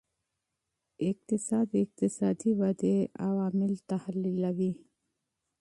اقتصاد د اقتصادي ودې عوامل تحلیلوي.